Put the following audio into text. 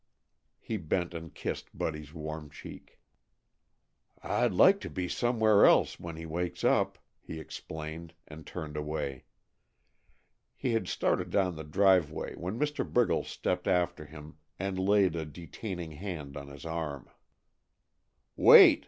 He bent and kissed Buddy's warm cheek. "I'd like to be somewheres else when he wakes up," he explained and turned away. He had started down the driveway when Mr. Briggles stepped after him and laid a detaining hand on his arm. "Wait!"